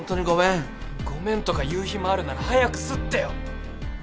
ごめんとか言う暇あるなら早く刷ってよ。